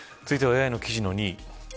続いてはＡＩの記事の２位。